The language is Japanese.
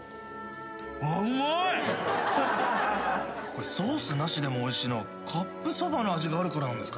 これソースなしでもおいしいのはカップそばの味があるからなんですかね？